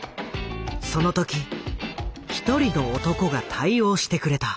その時一人の男が対応してくれた。